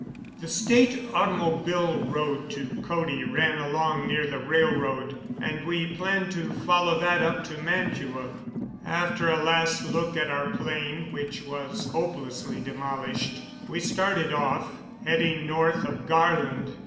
The State automobile road to Cody ran along near the railroad, and we planned to follow that up to Mantua. After a last look at our plane, which was hopelessly demolished, we started off, heading north of Garland.